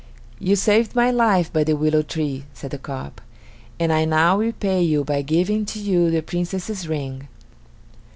"You saved my life by the willow tree," said the carp, "and I now repay you by giving to you the Princess's ring."